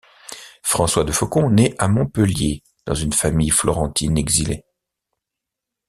François de Faucon naît à Montpellier dans une famille florentine exilée.